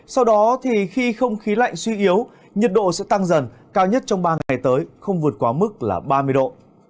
sau đó thì khi không khí lạnh suy yếu nhiệt độ sẽ tăng dần cao nhất trong ba ngày tới không vượt quá mức là ba mươi độ